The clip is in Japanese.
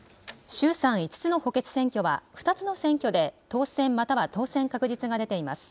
衆参５つの補欠選挙は２つの選挙で当選、または当選確実が出ています。